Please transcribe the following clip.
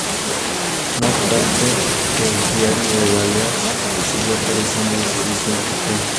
No obstante el Diari de Balears siguió apareciendo en su edición digital.